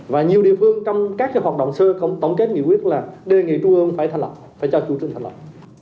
và nhiều địa phương trong các hoạt động sơ không tổng kết nghị quyết là đề nghị trung ương phải cho tru trương thành lập